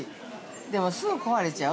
でも、すぐ壊れちゃう？